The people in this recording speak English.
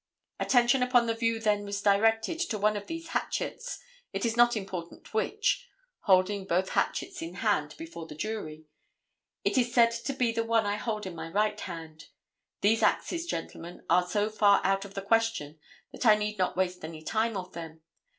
Attention upon the view then was directed to one of these hatchets, it is not important which (holding both hatchets in hand before the jury.) It is said to be the one I hold in my right hand. These axes, gentlemen, are so far out of the question that I need not waste any time on them.